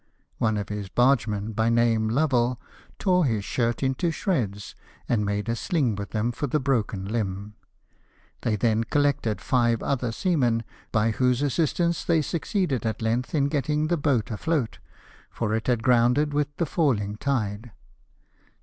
One of his bargemen, by name Level, tore his shirt into shreds, and made a sling with them for the broken limb. They then collected ^YQ other seamen, by whose assistance they succeeded at length in getting the boat afloat ; for it had grounded with the falling tide.